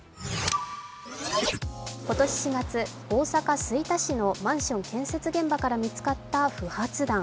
今年４月、大阪・吹田市のマンション建設現場から見つかった不発弾。